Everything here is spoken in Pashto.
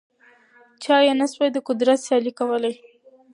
چا یې نه سوای د قدرت سیالي کولای